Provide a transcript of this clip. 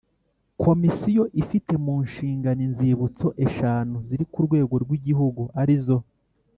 Komisiyo ifite mu nshingano inzibutso eshanu ziri ku rwego rw igihugu arizo